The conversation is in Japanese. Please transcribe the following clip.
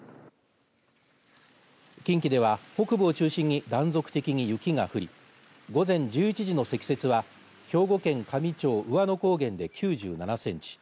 近畿では北部を中心に断続的に雪が降り午前１１時の積雪は兵庫県香美町兎和野高原で９７センチ